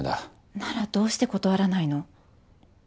ならどうして断らないの？